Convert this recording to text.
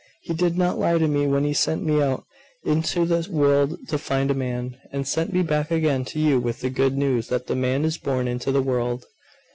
He did not lie to me when He sent me out into the world to find a man, and sent me back again to you with the good news that The Man is born into the world.